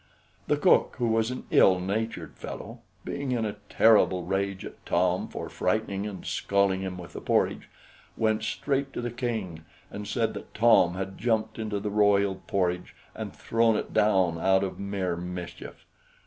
The cook, who was an ill natured fellow, being in a terrible rage at Tom for frightening and scalding him with the porridge, went straight to the King, and said that Tom had jumped into the royal porridge, and thrown it down out of mere mischief.